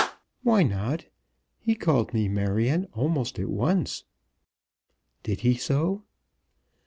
"Why not? He called me Marion almost at once." "Did he so?"